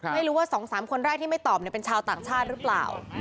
ไม่รู้ว่า๒๓คนแรกที่ไม่ตอบเป็นชาวต่างชาติหรือเปล่า